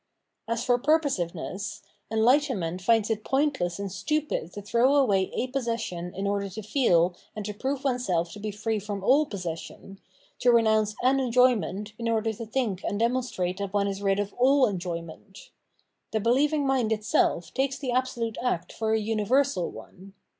As for purposiveness, enlightenment finds it point less and stupid to throw away a possession iu order to feel and to prove oneself to be free from all possession, to renounce an enjoyment in order to think and de monstrate that one is rid of aU enjoyment. The be lieving mind itself takes the absolute act for a universal one.